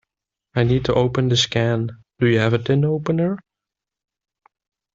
I need to open this can. Do you have a tin opener?